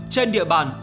trên địa bàn